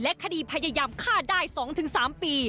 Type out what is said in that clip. คดีพยายามฆ่าได้๒๓ปี